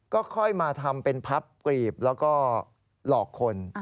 ก็ค่อยมาทำเป็นพับกรีบแล้วก็หลอกคน